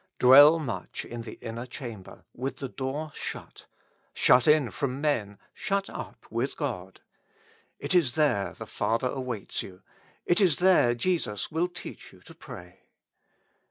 Dwell much in the inner chamber, with the door shut — shut in from men, shut up with God : it is there the Father waits you, it is there Jesus will teach you to pray.